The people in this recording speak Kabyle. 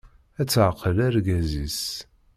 Ad taεqel argaz-is.